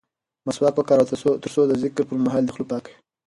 مسواک وکاروه ترڅو د ذکر پر مهال دې خوله پاکه وي.